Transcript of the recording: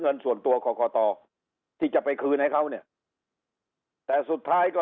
เงินส่วนตัวกรกตที่จะไปคืนให้เขาเนี่ยแต่สุดท้ายก็